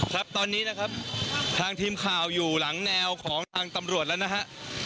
ครับตอนนี้นะครับทางทีมข่าวอยู่หลังแนวของทางตำรวจแล้วนะฮะ